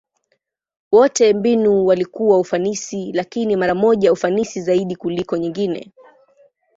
Wote mbinu walikuwa ufanisi, lakini mara moja ufanisi zaidi kuliko nyingine.